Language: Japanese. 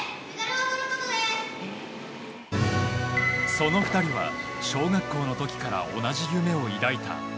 その２人は小学校の時から同じ夢を抱いた。